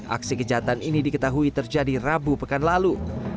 aksi kejahatan ini diketahui terjadi rabu pekan lalu